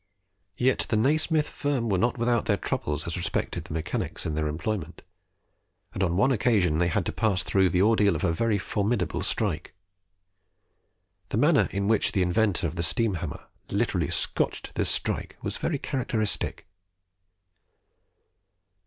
Yet the Nasmyth firm were not without their troubles as respected the mechanics in their employment, and on one occasion they had to pass through the ordeal of a very formidable strike. The manner in which the inventor of the steam hammer literally "Scotched" this strike was very characteristic.